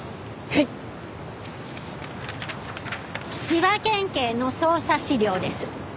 千葉県警の捜査資料です。